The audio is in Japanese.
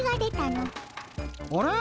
あれ？